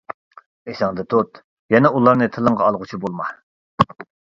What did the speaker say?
ئېسىڭدە تۇت، يەنە ئۇلارنى تىلىڭغا ئالغۇچى بولما.